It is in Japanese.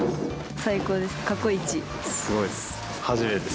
最高です。